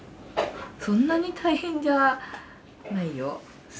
そんなに大変じゃないよ。